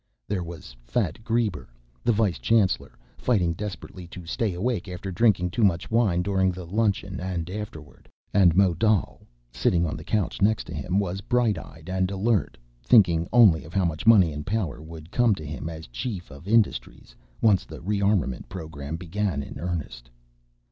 There was fat Greber, the vice chancellor, fighting desperately to stay awake after drinking too much wine during the luncheon and afterward. And Modal, sitting on the couch next to him, was bright eyed and alert, thinking only of how much money and power would come to him as Chief of Industries once the rearmament program began in earnest.